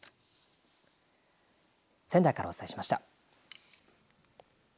仙台からお伝えしました。